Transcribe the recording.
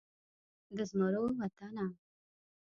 د زمرو وطنه